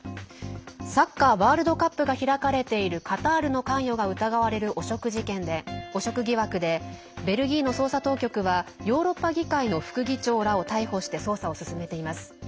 サッカーワールドカップが開かれているカタールの関与が疑われる汚職疑惑でベルギーの捜査当局はヨーロッパ議会の副議長らを逮捕して捜査を進めています。